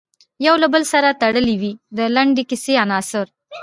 یو له بل سره تړلې وي د لنډې کیسې عناصر.